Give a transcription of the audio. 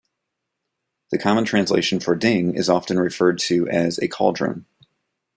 The common translation for ding is often referred to as a cauldron.